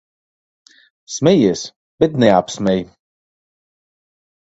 Smejies, bet neapsmej.